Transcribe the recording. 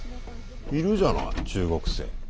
いるじゃない中学生。